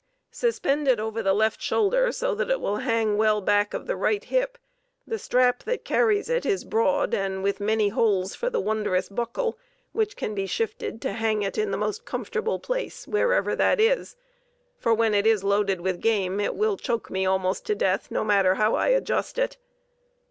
Suspended over the left shoulder so that it will hang well back of the right hip, the strap that carries it is broad and with many holes for the wondrous buckle which can be shifted to hang it in the most comfortable place, wherever that is, for when it is loaded with game it will choke me almost to death, no matter how I adjust it.